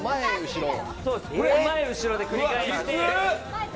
前・後ろで繰り返して。